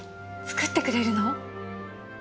作ってくれるの？